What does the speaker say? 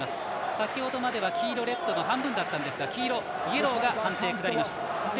先ほどは黄色のマークの半分だったんですがイエローと判定、下りました。